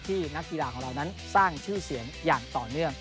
นักกีฬาของเรานั้นสร้างชื่อเสียงอย่างต่อเนื่อง